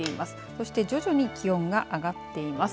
そして徐々に気温が上がっています。